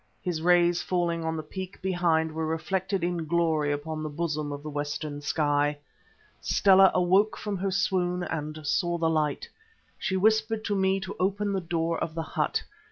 His rays falling on the peak behind were reflected in glory upon the bosom of the western sky. Stella awoke from her swoon and saw the light. She whispered to me to open the door of the hut.